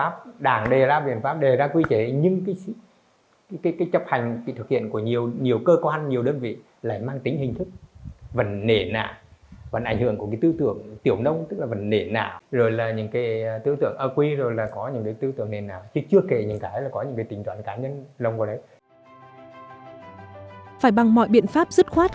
phải bằng mọi biện pháp dứt khoát